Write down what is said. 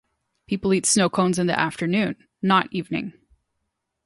people eat snow cones in the afternoon, not evening.